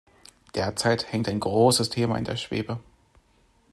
Derzeit hängt ein großes Thema in der Schwebe.